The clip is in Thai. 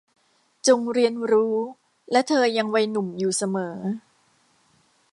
จงเรียนรู้และเธอยังวัยหนุ่มอยู่เสมอ